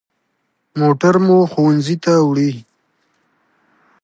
موټر مو ښوونځي ته وړي.